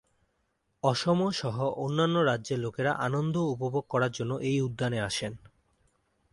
অসম সহ অন্যান্য রাজ্যের লোকেরা আনন্দ উপভোগ করার জন্য এই উদ্যানে আসেন।